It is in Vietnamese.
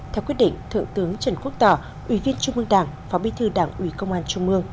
theo quyết định thượng tướng trần quốc tỏ ủy viên trung ương đảng phó bí thư đảng ủy công an trung ương